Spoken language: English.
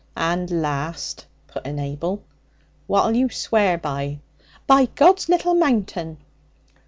'And last,' put in Abel. 'What'll you swear by?' 'By God's Little Mountain.'